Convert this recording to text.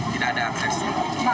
tidak ada aksesnya